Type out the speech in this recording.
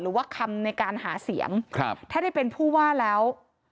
หรือว่าคำในการหาเสียงครับถ้าได้เป็นผู้ว่าแล้ว